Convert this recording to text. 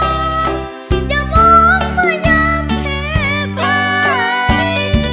หลายตาคนมองอย่ามองมายังเผ็ดใบ